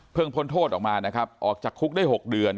พ้นโทษออกมานะครับออกจากคุกได้๖เดือน